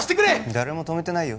誰も止めてないよ